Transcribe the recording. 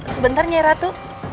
sebentar nyai ratu